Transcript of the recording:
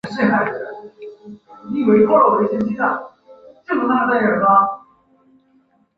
高斯帕县是美国内布拉斯加州南部的一个县。